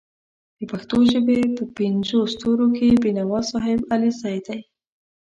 د پښتو ژبې په پینځو ستورو کې بېنوا صاحب علیزی دی